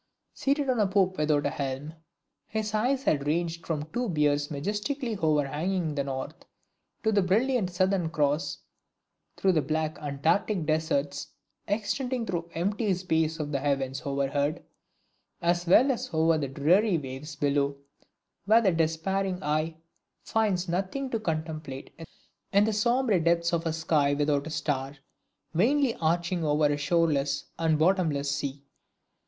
Seated on a poop without a helm, his eye had ranged from the two Bears majestically overhanging the North, to the brilliant Southern Cross, through the blank Antarctic deserts extending through the empty space of the heavens overhead, as well as over the dreary waves below, where the despairing eye finds nothing to contemplate in the sombre depths of a sky without a star, vainly arching over a shoreless and bottomless sea!